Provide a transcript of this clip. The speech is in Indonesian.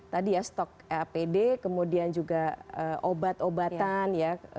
tadi ya stok apd kemudian juga obat obatan ya